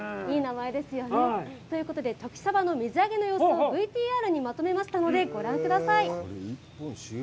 いい名前ですよね。ということで、旬さばの水揚げの様子をＶＴＲにまとめましたのでご覧ください。